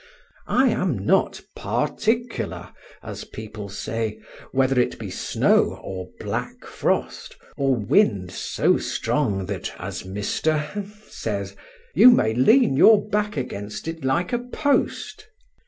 I am not "particular," as people say, whether it be snow, or black frost, or wind so strong that (as Mr. —— says) "you may lean your back against it like a post."